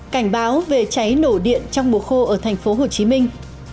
cảnh báo về cháy nổ điện trong mùa khô ở thành phố hồ chí minh